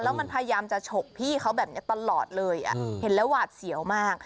แล้วมันพยายามจะฉกพี่เขาแบบนี้ตลอดเลยเห็นแล้วหวาดเสียวมาก